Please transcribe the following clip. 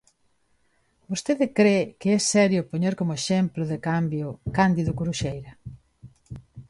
¿Vostede cre que é serio poñer como exemplo de cambio Cándido Curuxeira?